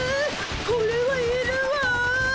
これはいるわ！